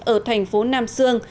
ở thành phố nam sương